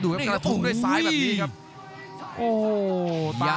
ดูครับการทุ่มด้วยสายแบบนี้ครับ